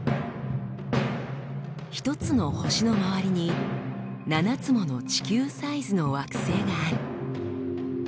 １つの星の周りに７つもの地球サイズの惑星がある。